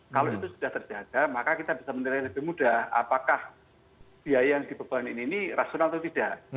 kalau itu sudah terjaga maka kita bisa menilai lebih mudah apakah biaya yang dibebankan ini rasional atau tidak